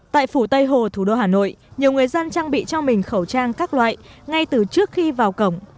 tại phủ tây hồ thủ đô hà nội nhiều người dân trang bị cho mình khẩu trang các loại ngay từ trước khi vào cổng